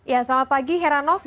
ya selamat pagi heranov